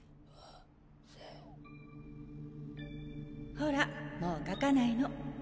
ほらもう掻かないの！